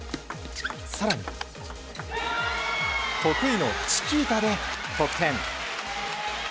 更に、得意のチキータで得点。